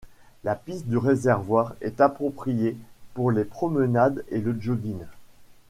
La piste du réservoir est appropriée pour les promenades et le jogging.